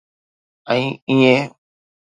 ۽ ايئن.